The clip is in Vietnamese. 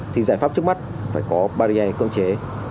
thì giải pháp trước mắt phải có barrier cương chế